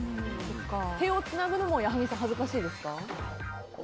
手をつなぐのも矢作さんは恥ずかしいですか？